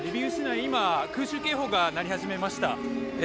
今、空襲警報が鳴り始めました。